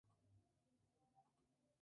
Más tarde queda ciega.